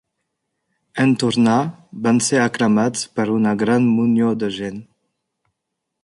En tornar, van ser aclamats per una gran munió de gent.